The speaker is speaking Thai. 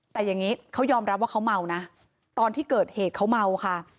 แต่อย่างนี้เขายอมรับว่าเขาเมานะตอนที่เกิดเหตุเขาเมาค่ะ